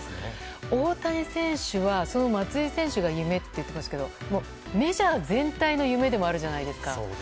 大谷選手はその松井選手が夢って言っていますけどメジャー全体の夢でもあるじゃないですか。